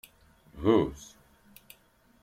Huzz.